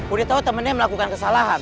udah tau temennya melakukan kesalahan